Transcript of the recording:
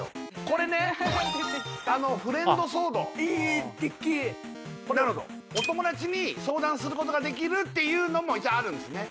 これね出てきたフレンドソードえデッケえこれは何とお友達に相談することができるっていうのもあるんですね